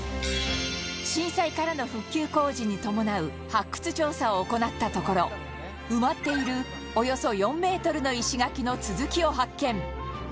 震災からの復旧工事に伴う発掘調査を行ったところ埋まっているおよそ４ｍの石垣の続きを発見